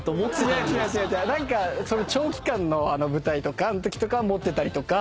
違う違う長期間の舞台とかのときとか持ってたりとか。